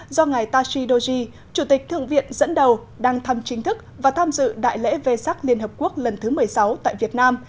do ngài tashi doji chủ tịch thượng viện dẫn đầu đang thăm chính thức và tham dự đại lễ vê sắc liên hợp quốc lần thứ một mươi sáu tại việt nam